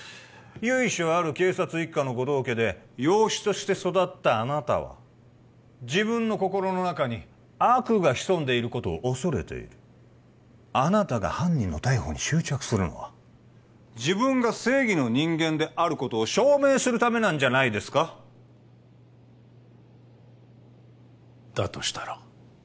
由緒ある警察一家の護道家で養子として育ったあなたは自分の心の中に悪が潜んでいることを恐れているあなたが犯人の逮捕に執着するのは自分が正義の人間であることを証明するためなんじゃないですかだとしたら？